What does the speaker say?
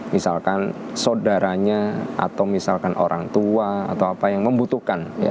misalkan saudaranya atau misalkan orang tua atau apa yang membutuhkan